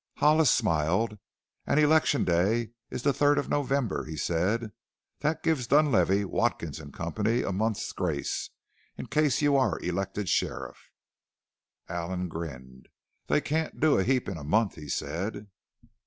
Hollis smiled. "And election day is the third of November," he said. "That gives Dunlavey, Watkins and Company a month's grace in case you are elected sheriff." Allen grinned. "They can't do a heap in a month," he said.